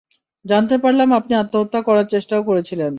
জানতে পারলাম, আপনি আত্মহত্যা করার চেষ্টাও করেছিলেন।